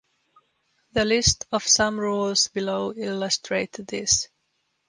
The list of sum rules below illustrate this.